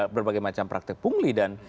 berbagai macam praktek pungli dan